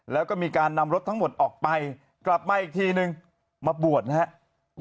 แล้วก็มีการนำรถทั้งหมดออกไปกลับมาอีกทีนึงมาบวชนะครับ